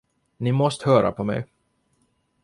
Ni måste höra på mig.